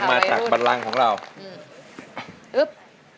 ไม่ใช้ครับไม่ใช้ครับ